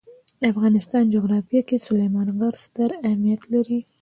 د افغانستان جغرافیه کې سلیمان غر ستر اهمیت لري.